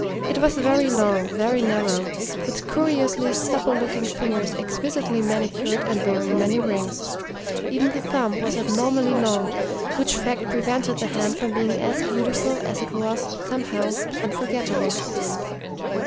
It was very long, very narrow, with curiously supple looking fingers exquisitely manicured and wearing many rings. Even the thumb was abnormally long, which fact prevented the hand from being as beautiful as it was, somehow, unforgettable.